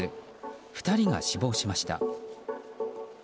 ２人が死亡しました。